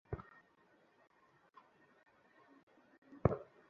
অন্যরা মুক্ত ছিল কিন্তু তারা আমাকে সাহায্য করেনি।